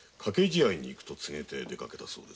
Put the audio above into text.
「賭試合に行く」と告げて出かけたそうです。